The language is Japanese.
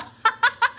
ハハハッ。